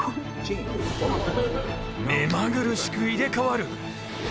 目まぐるしく入れ代わる。